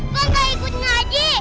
bangkai kut ngaji